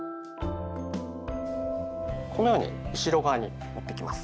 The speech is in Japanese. このように後ろ側に持ってきます。